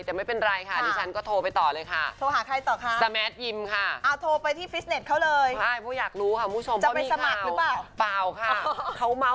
แต่ไม่เป็นไรค่ะดิฉันก็โทรไปต่อเลยค่ะ